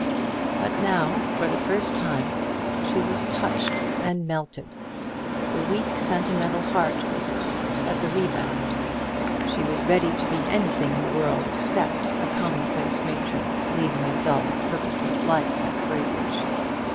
But now, for the first time, she was touched and melted; the weak sentimental heart was caught at the rebound. She was ready to be anything in the world except a commonplace matron, leading a dull purposeless life at Graybridge.